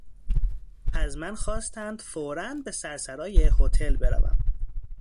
از من خواستند فورا به سرسرای هتل بروم.